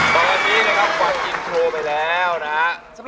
บอกว่าว่าเล่นเล่นเล่นเล่นเล่นค่ะ